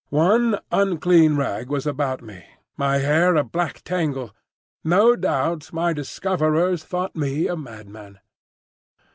One unclean rag was about me, my hair a black tangle: no doubt my discoverers thought me a madman.